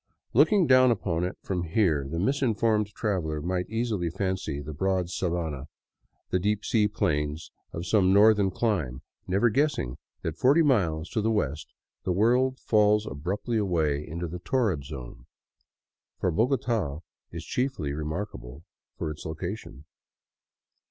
Looking down upon it from here, the misinformed traveler might easily fancy the broad sabana the sea level plains of some northern clime, never guessing that forty miles to the west the world falls abruptly away into the torrid zone. For Bogota is chiefly remarkable for its location.